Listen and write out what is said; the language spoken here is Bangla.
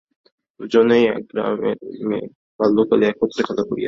দুইজনেই এক গ্রামের মেয়ে, বাল্যকালে একত্রে খেলা করিয়াছেন।